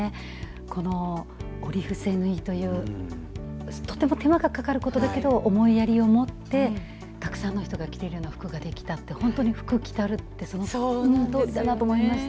この折り伏せ縫いというとても手間がかかることだけど思いやりを持ってたくさんの人が着ているような服ができたって本当に福きたるってこういうことだなと思いました。